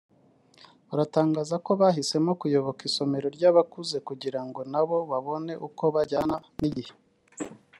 baratangaza ko bahisemo kuyoboka isomero ry’abakuze kugira ngo nabo babone uko bajyana n’igihe